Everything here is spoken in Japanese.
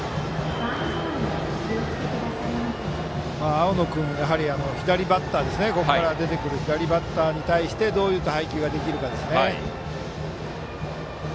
青野君はここから出てくる左バッターにどういう配球ができるかですね。